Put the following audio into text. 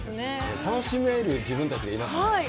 楽しめる自分たちがいますね。